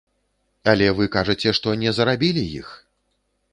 Але вы кажаце, што не зарабілі іх.